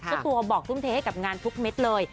เจ้าตัวบอกทุ่มเทให้กับงานทุกเม็ดเลย